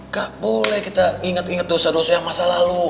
gak boleh kita ingat ingat dosa dosa yang masa lalu